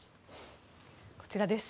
こちらです。